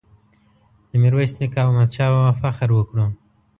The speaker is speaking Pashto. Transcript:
د میرویس نیکه او احمد شاه بابا فخر وکړو.